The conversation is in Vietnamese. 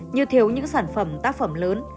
như thiếu những sản phẩm tác phẩm lớn